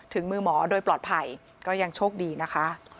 ถึงมือหมอโดยปลอดภัยก็ยังโชคดีนะคะ